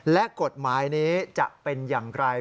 และกฎหมายนี้จะเป็นอย่างไร